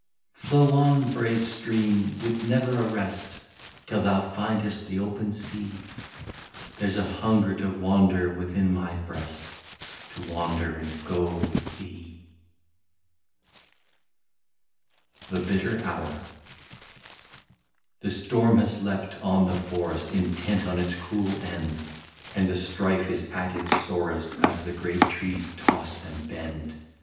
Flow on, brave stream, with never a rest, Till thou findest the open sea ; There 's a hunger to wander, within my breast. To wander and go with thee.*' THE BITTER HOUR. The storm has leapt on the forest, Intent on its cruel end, And the strife is at its sorest, As the great trees toss and bend.